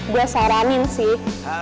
gue saranin sih